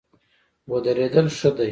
ودرېدل ښه دی.